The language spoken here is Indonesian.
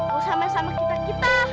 jangan main sama kita kita